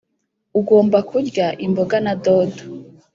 ugomba kurya imboga na dodo